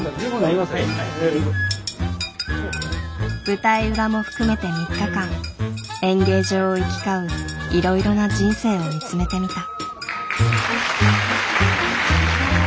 舞台裏も含めて３日間演芸場を行き交ういろいろな人生を見つめてみた。